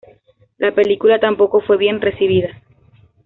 La película tampoco fue bien recibida.